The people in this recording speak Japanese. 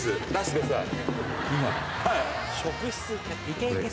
はい。